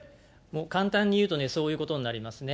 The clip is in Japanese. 簡単に言うとね、そういうことになりますね。